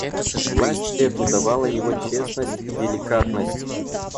Власть эту давала его честность и деликатность.